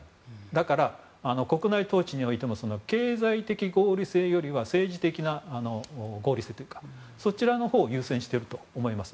だから、国内統治においても経済的合理性よりは政治的な合理性というかそちらのほうを優先してると思います。